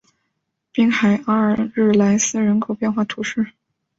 滨海阿尔日莱斯人口变化图示